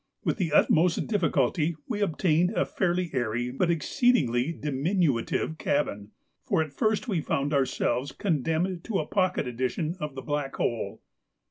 With the utmost difficulty we obtained a fairly airy but exceedingly diminutive cabin, for at first we found ourselves condemned to a pocket edition of the Black Hole.